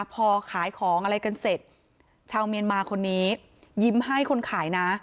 พอขายของอะไรกันเสร็จชาวเมียนมาคนนี้ยิ้มให้คนขายนะ